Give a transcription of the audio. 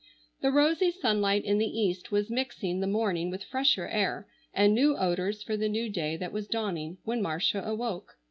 The rosy sunlight in the east was mixing the morning with fresher air, and new odors for the new day that was dawning, when Marcia awoke.